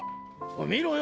見ろよ